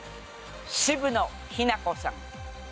渋野日向子さん。